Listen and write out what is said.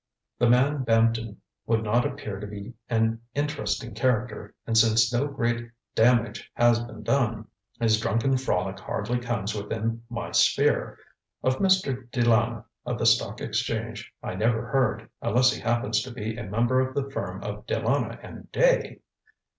The man Bampton would not appear to be an interesting character, and since no great damage has been done, his drunken frolic hardly comes within my sphere. Of Mr. De Lana, of the Stock Exchange, I never heard, unless he happens to be a member of the firm of De Lana and Day?